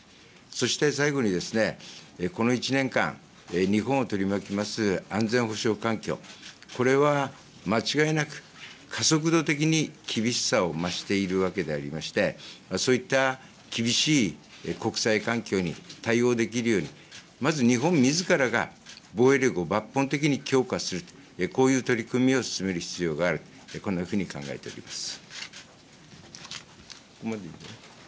そして最後にこの１年間、日本を取り巻きます安全保障環境、これは間違いなく加速度的に厳しさを増しているわけでありまして、そういった厳しい国際環境に対応できるように、まず日本みずからが防衛力を抜本的に強化する、こういう取り組みを進める必要がある、こんなふうに考えております。